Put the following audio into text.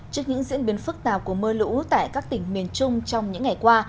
trước những diễn biến phức tạp của mưa lũ tại các tỉnh miền trung trong những ngày qua